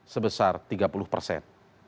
sebesar tiga puluh persen